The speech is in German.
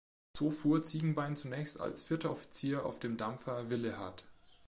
So fuhr Ziegenbein zunächst als Vierter Offizier auf dem Dampfer "Willehad".